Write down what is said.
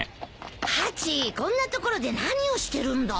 ハチこんなところで何をしてるんだ？